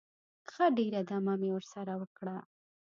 ښه ډېره دمه مې ورسره وکړه.